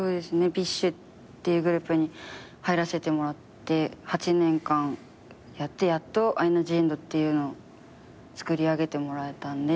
ＢｉＳＨっていうグループに入らせてもらって８年間やってやっとアイナ・ジ・エンドっていうのをつくり上げてもらえたんで。